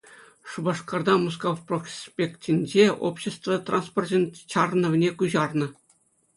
Шупашкарта Мускав проспектӗнче общество транспорчӗн чарӑнӑвне куҫарнӑ.